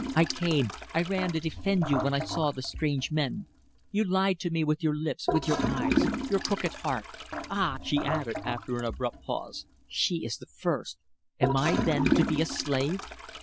I came I ran to defend you when I saw the strange men. You lied to me with your lips, with your eyes. You crooked heart! ... Ah!" she added, after an abrupt pause. "She is the first! Am I then to be a slave?"